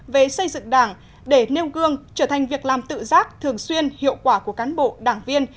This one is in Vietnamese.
về xây dựng đảng để nêu gương trở thành việc làm tự giác thường xuyên hiệu quả của cán bộ đảng viên